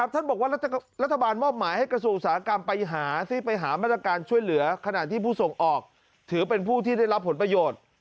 ท่านบอกว่ารัฐบาลมอบหมายให้กระทรวงอุตสาหกรรมไปหาสิไปหามาตรการช่วยเหลือขณะที่ผู้ส่งออกถือเป็นผู้ที่ได้รับผลประโยชน์